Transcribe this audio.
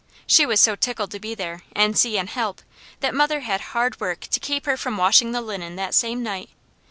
She was so tickled to be there, and see, and help, that mother had hard work to keep her from washing the linen that same night.